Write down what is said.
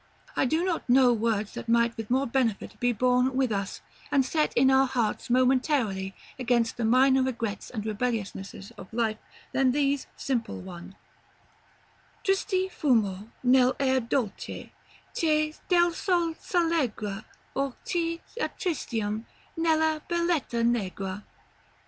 " I do not know words that might with more benefit be borne with us, and set in our hearts momentarily against the minor regrets and rebelliousnesses of life, than these simple ones: "Tristi fummo Nel aer dolce, che del sol s' allegra, Or ci attristiam, nella belletta negra."